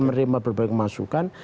menerima berbagai masukan